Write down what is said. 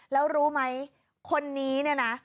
แล้วรู้ไหมคนนี้เนี่ยนะ